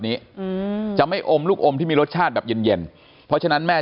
นี้อืมจะไม่อมลูกอมที่มีรสชาติแบบเย็นเย็นเพราะฉะนั้นแม่